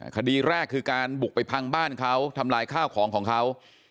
คดีแรกคือการบุกไปพังบ้านเขาทำลายข้าวของของเขา